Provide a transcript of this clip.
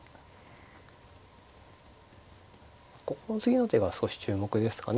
ここの次の手が少し注目ですかね。